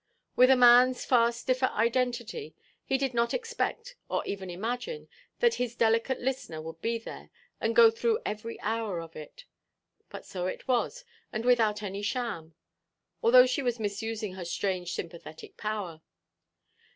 With a manʼs far stiffer identity, he did not expect or even imagine that his delicate listener would be there, and go through every hour of it. But so it was, and without any sham; although she was misusing her strange sympathetic power.